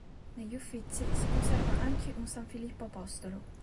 Negli Uffizi si conserva anche un "San Filippo apostolo".